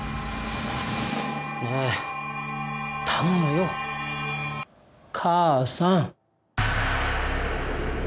ねえ頼むよかーさん。